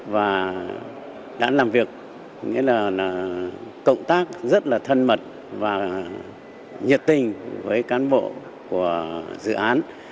và đã làm việc nghĩa là cộng tác rất là thân mật và nhiệt tình với cán bộ của dự án